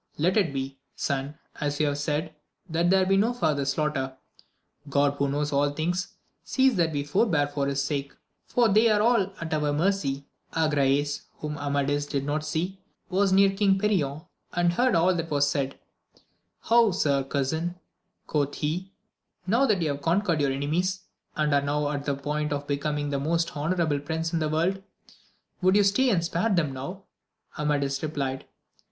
Let it be, son, as you have said, that there may be no far ther slaughter ; God, who knows all things, sees that we forbear for his sake, for they are all at our mercy. Agrayes, whom Amadis did not see, was near King Perion, and heard all that was said : How, sir cousin, quoth he, now that you have conquered your enemies, AMADIS OF GAUL. 197 and are now on the point of becoming the most hon ourable prince in the world, would you stay and spare them now 1 Amadis replied.